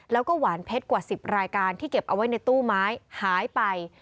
แล้วก็หวานเพชรกว่า๑๐รายการที่เก็บเอาไว้ในตู้ไม้หายไป